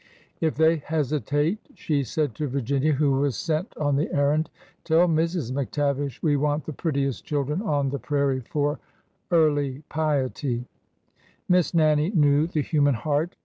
" If they hesitate," she said to Virginia, who was sent LIVING PICTURES 125 on the errand, tell Mrs. McTavish we want the prettiest children on the prairie for ' Early Piety.' " Miss Nannie knew the human heart.